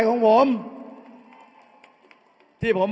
เอาข้างหลังลงซ้าย